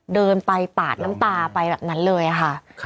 เดินไปปาดน้ำตาไปแบบนั้นเลยค่ะ